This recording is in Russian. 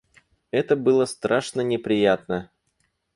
Это было страшно неприятно.